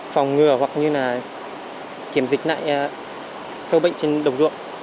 phòng ngừa hoặc kiểm dịch lại sâu bệnh trên đồng ruộng